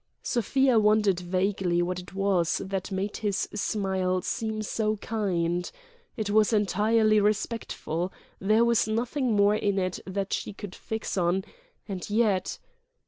Sofia wondered vaguely what it was that made his smile seem so kind; it was entirely respectful, there was nothing more in it that she could fix on; and yet